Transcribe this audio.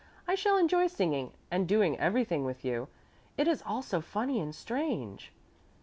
"I shall enjoy singing and doing everything with you. It is all so funny and strange."